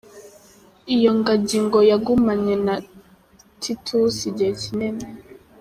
Iyo ngagi ngo yagumanye na Titus igihe kinini.